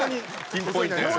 ピンポイントやな。